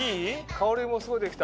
香りもすごいできた。